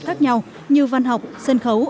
khác nhau như văn học sân khấu